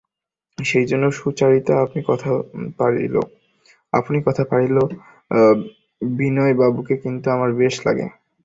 সেইজন্য সুচরিতা আপনি কথা পাড়িল, বিনয়বাবুকে কিন্তু আমার বেশ ভালো লাগে।